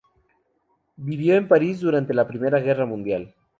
Vivió en París durante la Primera Guerra Mundial.